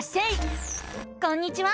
こんにちは！